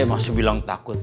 masih bilang takut